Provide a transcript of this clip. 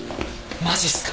マジっすか？